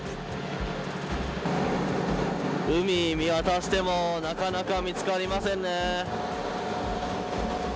海を見渡してもなかなか見つかりませんね。